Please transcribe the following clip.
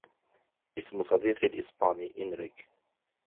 إسم صدقي الإسباني إنريك.